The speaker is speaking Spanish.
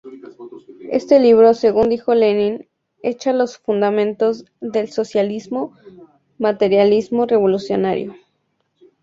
Este libro, según dijo Lenin, echa los fundamentos del socialismo materialista revolucionario.